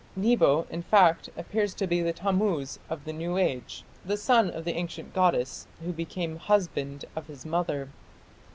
Nebo, in fact, appears to be the Tammuz of the new age, the son of the ancient goddess, who became "Husband of his Mother".